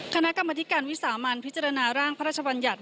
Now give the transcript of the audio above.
คณะกรรมธิการวิสามันพิจารณาร่างพระราชบัญญัติ